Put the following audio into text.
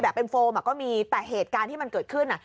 เป็นโฟมก็มีแต่เหตุการณ์ที่มันเกิดขึ้น